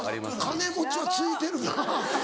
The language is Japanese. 金持ちはツイてるな。